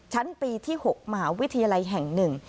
ชั้นปีที่๖มหาวิทยาลัยแห่งหนึ่ง